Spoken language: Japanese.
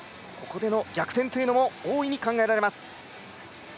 ここでの逆転というのも大いに考えられます。